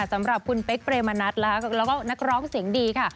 สำหรับคุณเป๊กเปรมนัดแล้วก็นักร้องเสียงดีค่ะ